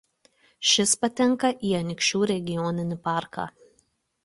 Šis patenka į Anykščių regioninį parką.